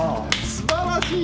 すばらしい。